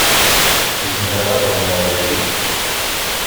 Zemreɣ ad ɛummeɣ dagi?